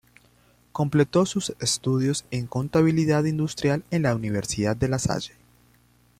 Completó sus estudios en Contabilidad Industrial en la Universidad de La Salle.